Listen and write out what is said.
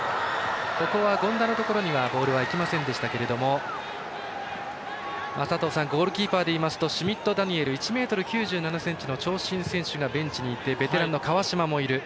権田のところにはボールはいきませんでしたがゴールキーパーでいいますとシュミットダニエル１ｍ９７ｃｍの長身選手がベンチにいてベテランの川島もいる。